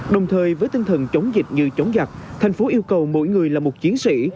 đồng thời với tinh thần chống dịch như chống giặc thành phố yêu cầu mỗi người là một chiến sĩ